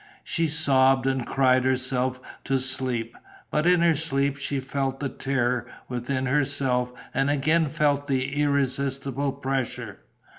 She sobbed and cried herself to sleep. But in her sleep she felt the terror within herself and again felt the irresistible pressure.